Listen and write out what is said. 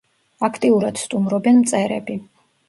აქტიურად სტუმრობენ მწერები.